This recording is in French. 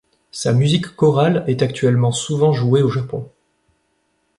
Sa musique chorale est actuellement souvent jouée au Japon.